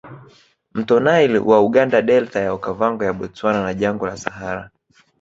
Mto Nile wa Uganda Delta ya Okava ngo ya Bostwana na Jangwa la Sahara